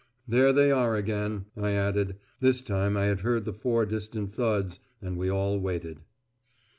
"There they are again," I added. This time I had heard the four distant thuds, and we all waited.